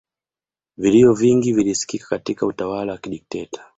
vilio vingi vilisikika katika utawala wa kidikteta